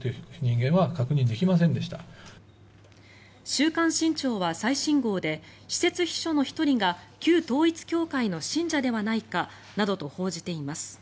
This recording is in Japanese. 「週刊新潮」は最新号で私設秘書の１人が旧統一教会の信者ではないかなどと報じています。